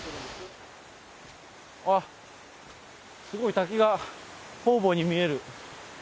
あっ、すごい滝が、方々に見える。